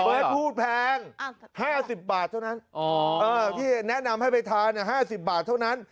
เบิร์ตพูดแพง๕๐บาทเท่านั้นอ๋อที่แนะนำให้ไปทาเนี่ย๕๐บาทเท่านั้น